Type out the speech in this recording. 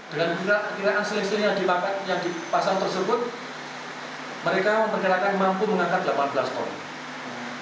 dengan kira kiraan seleksi yang dipasang tersebut mereka memperkenalkan yang mampu mengangkat delapan belas ton